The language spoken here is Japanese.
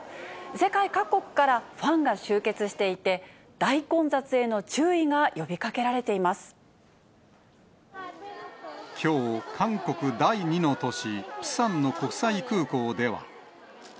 世界各国からファンが集結していて、大混雑への注意が呼びかけらきょう、韓国第２の都市、プサンの国際空港では。